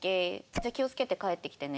「じゃあ気をつけて帰ってきてね」